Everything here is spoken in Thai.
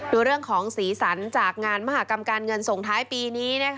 ดูเรื่องของสีสันจากงานมหากรรมการเงินส่งท้ายปีนี้